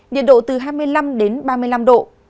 nhiệt độ từ hai mươi năm đến ba mươi năm độ